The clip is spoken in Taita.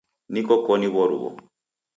Niko koni w'oruw'o.